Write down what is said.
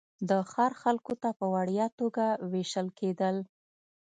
د ښار خلکو ته په وړیا توګه وېشل کېدل.